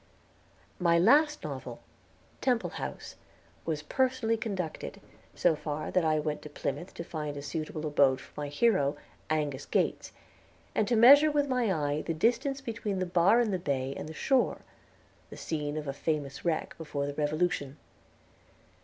My last novel, "Temple House," was personally conducted, so far that I went to Plymouth to find a suitable abode for my hero, Angus Gates, and to measure with my eye the distance between the bar in the bay and the shore, the scene of a famous wreck before the Revolution.